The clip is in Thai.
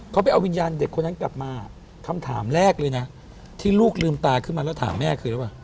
เขาไปเอาวิญญาณเด็กคนนั้นกลับมาคำถามแรกเลยนะที่ลูกลืมตาขึ้นมาแล้วถามแม่คือหรือเปล่า